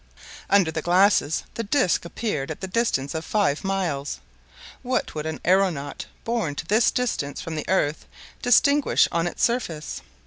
Under the glasses the disc appeared at the distance of five miles. What would an aeronaut, borne to this distance from the earth, distinguish on its surface?